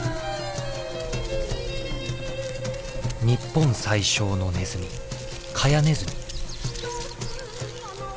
日本最小のネズミカヤネズミ。